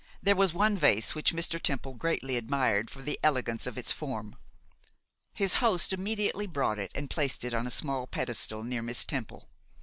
There was one vase which Mr. Temple greatly admired for the elegance of its form. His host immediately brought it and placed it on a small pedestal near Miss Temple.